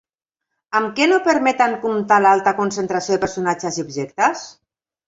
Amb què no permeten comptar l'alta concentració de personatges i objectes?